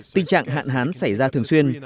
tình trạng hạn hán xảy ra thường xuyên